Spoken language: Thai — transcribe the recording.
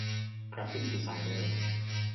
กราฟิกดีไซเนอร์